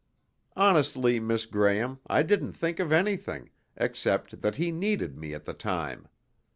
"Honestly, Miss Graham, I didn't think of anything, except that he needed me at the time.